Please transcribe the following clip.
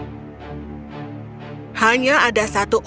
hanya ada satu orang yang bisa membunuhmu